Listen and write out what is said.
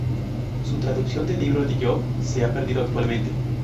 Su traducción del libro de Job se ha perdido actualmente.